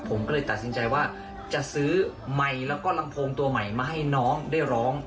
ผมก็เลยตัดสินใจว่าจะซื้อไมค์แล้วก็ลำโพงตัวใหม่มาให้น้องได้ร้อง